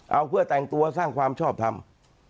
เอาเพื่อแต่งตัวสร้างความชอบทำ